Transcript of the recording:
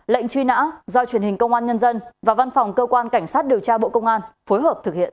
lệnh truy nã do truyền hình công an nhân dân và văn phòng cơ quan cảnh sát điều tra bộ công an phối hợp thực hiện